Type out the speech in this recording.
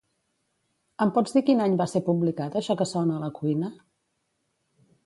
Em pots dir quin any va ser publicat això que sona a la cuina?